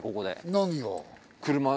何が？